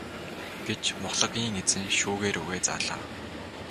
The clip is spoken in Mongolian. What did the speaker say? гэж мухлагийн эзэн шүүгээ рүүгээ заалаа.